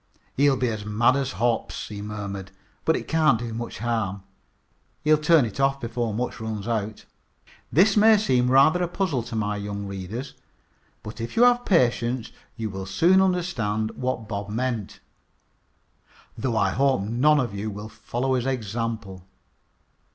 "He'll be as mad as hops," he murmured, "but it can't do much harm. He'll turn it off before much runs out." This may seem rather a puzzle to my young readers, but if you have patience you will soon understand what Bob meant, though I hope none of you will follow his example.